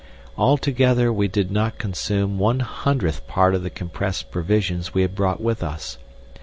Altogether we did not consume one hundredth part of the compressed provisions we had brought with us.